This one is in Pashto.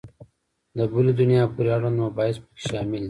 د بلي دنیا پورې اړوند مباحث په کې شامل دي.